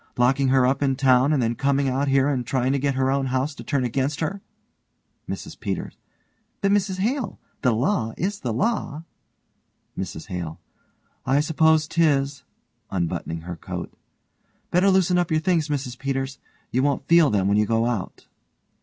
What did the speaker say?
Locking her up in town and then coming out here and trying to get her own house to turn against her! MRS PETERS: But Mrs Hale, the law is the law. MRS HALE: I s'pose 'tis, (unbuttoning her coat) Better loosen up your things, Mrs Peters. You won't feel them when you go out.